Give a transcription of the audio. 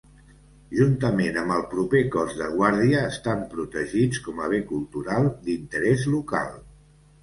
Juntament amb el proper cos de guàrdia estan protegits com a bé cultural d'interès local.